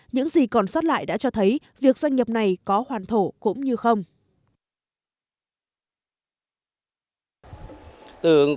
những gì còn sót lại đã cho thấy việc doanh nghiệp này có hoàn thổ cũng như không